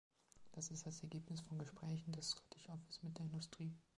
Das ist das Ergebnis von Gesprächen des Scottish Office mit der Industrie.